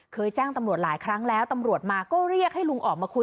แจ้งตำรวจหลายครั้งแล้วตำรวจมาก็เรียกให้ลุงออกมาคุย